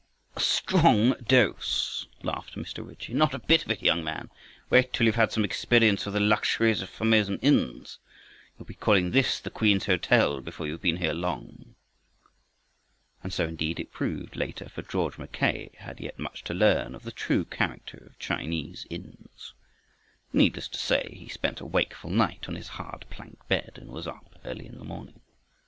"A strong dose!" laughed Mr. Ritchie. "Not a bit of it, young man. Wait till you've had some experience of the luxuries of Formosan inns. You'll be calling this the Queen's Hotel, before you've been here long!" And so indeed it proved later, for George Mackay had yet much to learn of the true character of Chinese inns. Needless to say he spent a wakeful night, on his hard plank bed, and was up early in the morning.